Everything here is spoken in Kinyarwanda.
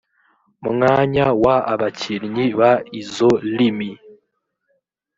mwanya w abakinnyi b izo limi